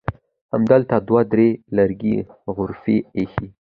همدلته دوه درې لرګینې غرفې ایښي.